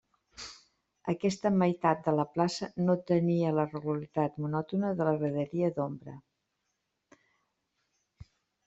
Aquesta meitat de la plaça no tenia la regularitat monòtona de la graderia d'ombra.